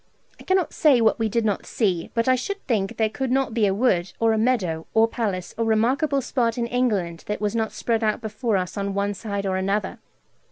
I cannot say what we did not see, but I should think there could not be a wood, or a meadow, or palace, or remarkable spot in England that was not spread out before us on one side or other.